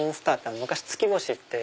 昔月星って。